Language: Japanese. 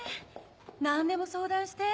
何でも相談して。